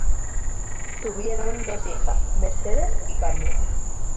Tuvieron dos hijas: Mercedes y Carmen.